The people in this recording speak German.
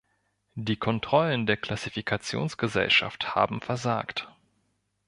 Die Kontrollen der Klassifikationsgesellschaft haben versagt.